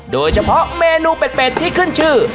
โดยเฉพาะเมนูเป็ดที่ขึ้นชื่อ